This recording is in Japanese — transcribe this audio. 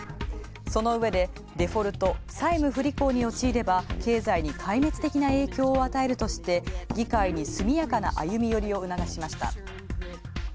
そのうえで、デフォルト＝債務不履行におちいれば、壊滅的な影響を与えるとして、議会に速やかな歩み寄りを促しました。